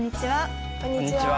こんにちは。